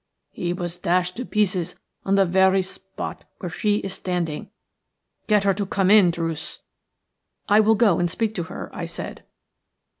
He was dashed to pieces on the very spot where she is standing. Get her to come in, Druce." "I will go and speak to her," I said.